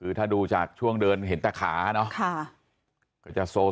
อีก๒